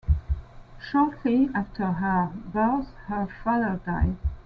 Shortly after her birth her father died.